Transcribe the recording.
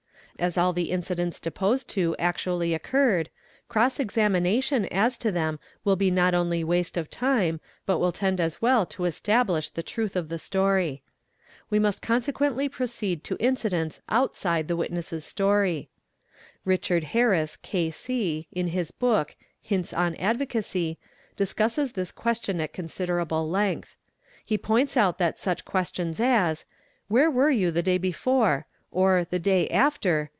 As all the incidents deposed to actually occurred, cross examination as to them will be not only waste of time but will tend as well to establish the truth of the story. We mus consequently proceed to incidents outside the witnesses' story. Richart Harris, K.c., in his book " Hints on Advocacy " discusses this question at_ considerable length. He points out that such questions as, Where wer you the day before? or The day after?